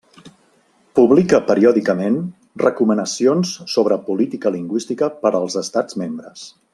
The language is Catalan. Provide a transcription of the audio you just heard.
Publica periòdicament recomanacions sobre política lingüística per als estats membres.